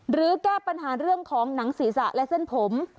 แก้ปัญหาเรื่องของหนังศีรษะและเส้นผม